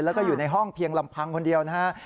แล้วก็อยู่ในห้องเพียงลำพังคนเดียวนะฮะ